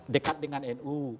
dekat dengan nu